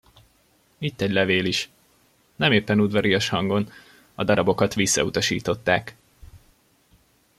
Itt egy levél is..., nem éppen udvarias hangon: a darabokat visszautasították.